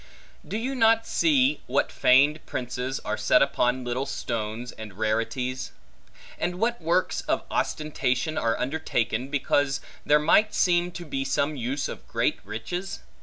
Do you not see what feigned prices, are set upon little stones and rarities? and what works of ostentation are undertaken, because there might seem to be some use of great riches?